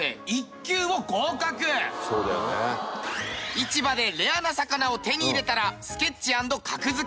市場でレアな魚を手に入れたらスケッチ＆格付け。